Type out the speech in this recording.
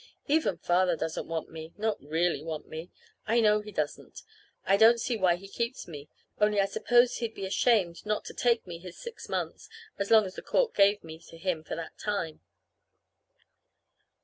Even Father doesn't want me, not really want me. I know he doesn't. I don't see why he keeps me, only I suppose he'd be ashamed not to take me his six months as long as the court gave me to him for that time.